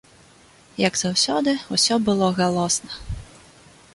Як заўсёды, усё было галосна.